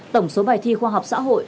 tổng số bài thi khoa học xã hội